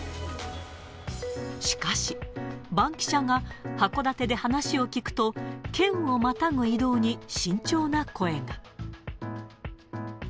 しかし、バンキシャが函館で話を聞くと、県をまたぐ移動に慎重な声が。